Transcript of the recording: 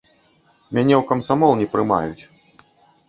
Мяне ў камсамол не прымаюць.